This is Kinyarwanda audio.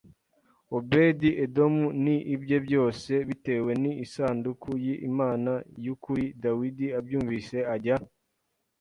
Obedi Edomu n ibye byose bitewe n isanduku y Imana y ukuri Dawidi abyumvise ajya